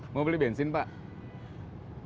mau beli bensin pak